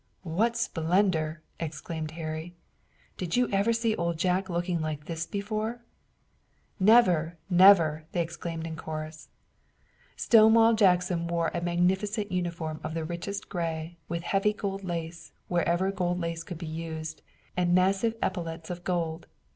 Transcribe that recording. "What splendor!" exclaimed Harry. "Did you ever see Old Jack looking like this before?" "Never! Never!" they exclaimed in chorus. Stonewall Jackson wore a magnificent uniform of the richest gray, with heavy gold lace wherever gold lace could be used, and massive epaulets of gold.